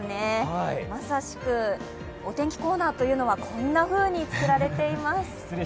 まさしくお天気コーナーというのは、こんなふうに作られています。